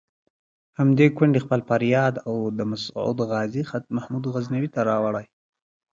همدې کونډې خپل فریاد او د مسعود غازي خط محمود غزنوي ته راوړی.